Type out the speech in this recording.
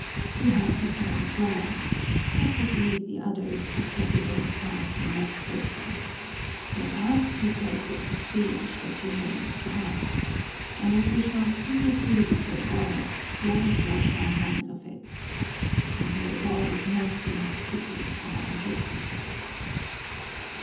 You have decided well: let us leave the others to settle their accounts in that quarter; let us preserve the prestige that remains to us, and as we shall soon appear before God, let us wash our hands of it and may the God of mercy have pity on our weakness!"